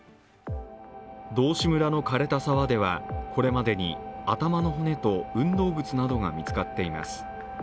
道志村の枯れた沢ではこれまでに頭の骨と運動靴などが見つかっています。